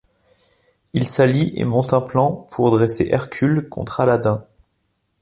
Ils s'allient et montent un plan pour dresser Hercule contre Aladdin...